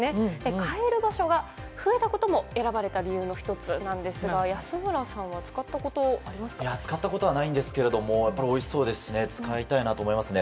買える場所が増えたことも選ばれた理由の１つなんですが使ったことはないんですけどおいしそうですし使いたいなと思いますね。